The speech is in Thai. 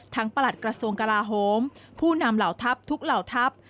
ประหลัดกระทรวงกลาโฮมผู้นำเหล่าทัพทุกเหล่าทัพ